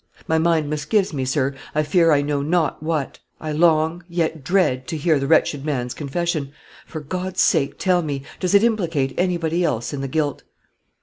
My mind misgives me, sir, I fear I know not what. I long, yet dread, to hear the wretched man's confession. For God's sake tell me, does it implicate anybody else in the guilt?"